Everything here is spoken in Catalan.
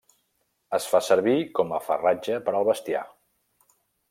Es fa servir com a farratge per al bestiar.